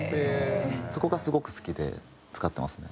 そこがすごく好きで使ってますね。